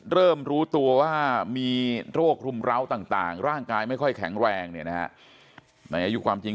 เริ่มรู้ตัวว่ามีโรครุมร้าวต่างร่างกายไม่ค่อยแข็งแรงเนี่ยนะฮะในอายุความจริง